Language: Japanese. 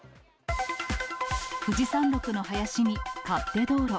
富士山ろくの林に勝手道路。